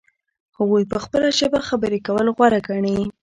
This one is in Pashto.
هغوی په خپله ژبه خبرې کول غوره ګڼي.